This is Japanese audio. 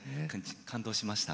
感動しました。